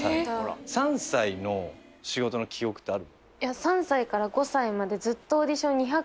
３歳の仕事の記憶ってある？